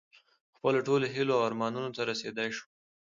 خپلو ټولو هیلو او ارمانونو ته رسېدی شو.